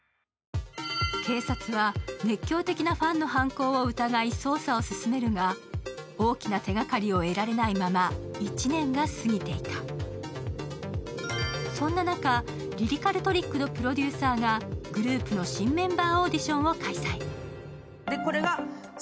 警察は熱狂的なファンの犯行を疑い捜査を進めるが、大きな手がかりをえられないまま１ねんが過ぎていたそんな中、りりかるトリックのプロデューサーがグループの新メンバーオーディションを開催。